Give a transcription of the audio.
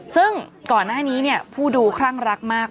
ซึ่งก่อนหน้านี้ผู้ดูคลั่งรักมาก